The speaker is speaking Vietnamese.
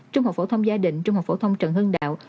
trung học phổ thông gia đình trung học phổ thông trần hưng đạo